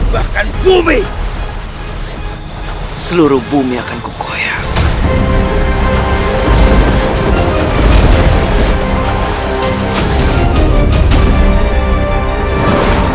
bahkan bumi seluruh bumi akan kukoyak